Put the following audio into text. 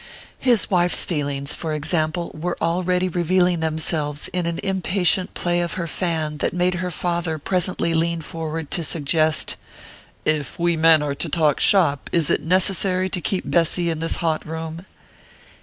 His wife's feelings, for example, were already revealing themselves in an impatient play of her fan that made her father presently lean forward to suggest: "If we men are to talk shop, is it necessary to keep Bessy in this hot room?"